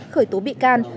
khởi tố bị can